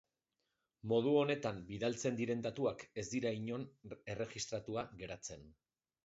Modu honetan bidaltzen diren datuak ez dira inon erregistratua geratzen.